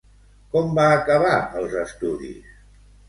Com va acabar els estudis?